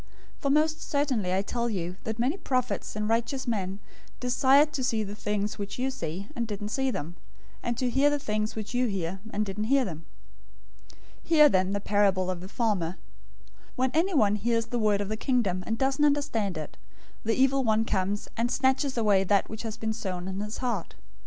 013:017 For most certainly I tell you that many prophets and righteous men desired to see the things which you see, and didn't see them; and to hear the things which you hear, and didn't hear them. 013:018 "Hear, then, the parable of the farmer. 013:019 When anyone hears the word of the Kingdom, and doesn't understand it, the evil one comes, and snatches away that which has been sown in his heart.